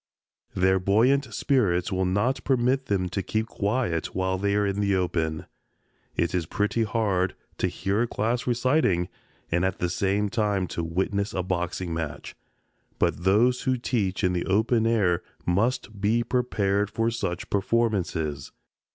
Their buoyant spirits will not permit them to keep quiet while they are in the open. It is pretty hard to hear a class reciting and at the same time to witness a boxing match, but those who teach in the open air must be prepared for such performances.